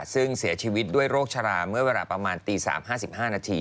ซึ่งเสียชีวิตด้วยโรคชะลาเมื่อเวลาประมาณตี๓๕๕นาที